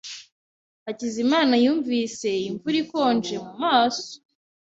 Hakizimana yumvise imvura ikonje mu maso.